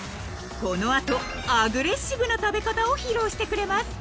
［この後アグレッシブな食べ方を披露してくれます］